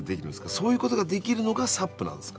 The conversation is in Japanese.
そういう事ができるのがサップなんですか？